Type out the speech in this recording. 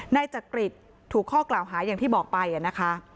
นายจักริตถูกข้อกล่าวหาอย่างที่บอกไปนะคะ